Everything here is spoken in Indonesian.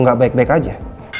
gak baik baik aja